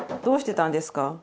どうしてたんですか？